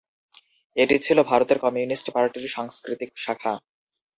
এটি ছিল ভারতের কমিউনিস্ট পার্টির সাংস্কৃতিক শাখা।